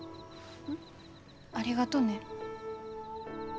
ん？ありがとね。